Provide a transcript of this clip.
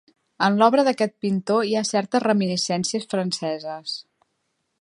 En l'obra d'aquest pintor hi ha certes reminiscències franceses.